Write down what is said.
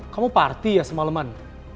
kamu party ya semaleman